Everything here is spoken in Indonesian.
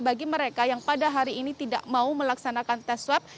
bagi mereka yang pada hari ini tidak mau melaksanakan tes swab